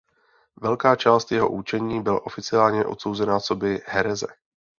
Velká část jeho učení byla oficiálně odsouzena coby hereze.